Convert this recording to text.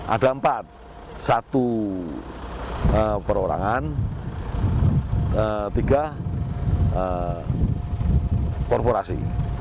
ada empat satu perorangan tiga korporasi